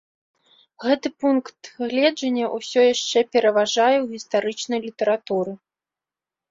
Гэты пункт гледжання ўсё яшчэ пераважае ў гістарычнай літаратуры.